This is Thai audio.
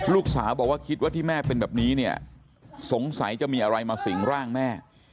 ลูกสาวบอกว่าคิดว่าที่แม่เป็นแบบนี้เนี่ยสงสัยจะมีอะไรมาสิงร่างแม่